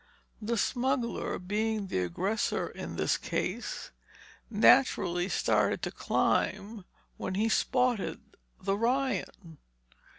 The smuggler being the aggressor in this case, naturally started to climb when he spotted the Ryan.